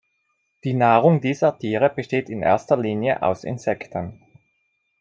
Die Nahrung dieser Tiere besteht in erster Linie aus Insekten.